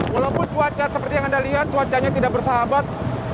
walaupun cuaca seperti yang anda lihat cuacanya tidak bersahabat